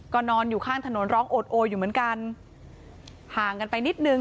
ก็นอนอยู่ข้างถนนร้องโอดโออยู่เหมือนกันห่างกันไปนิดนึง